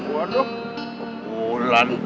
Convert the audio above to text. waduh ke bulan